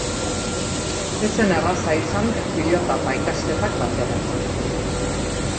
Ez zen erraza izan pilota eta ikasketak bateratzea.